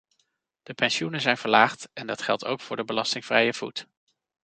De pensioenen zijn verlaagd, en dat geldt ook voor de belastingvrije voet.